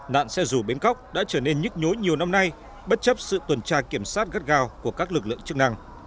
nạn xe dù bến cóc đã trở nên nhức nhối nhiều năm nay bất chấp sự tuần tra kiểm soát gắt gao của các lực lượng chức năng